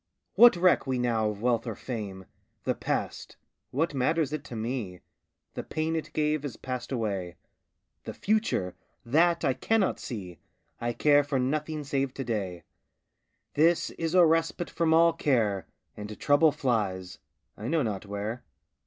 What reck we now of wealth or fame? The past what matters it to me? The pain it gave has passed away. The future that I cannot see! I care for nothing save to day This is a respite from all care, And trouble flies I know not where.